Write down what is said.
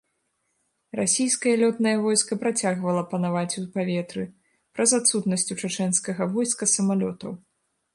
Расійскае лётнае войска працягвала панаваць у паветры праз адсутнасць у чачэнскага войска самалётаў.